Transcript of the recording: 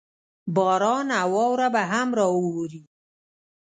باران او واوره به هم راووري.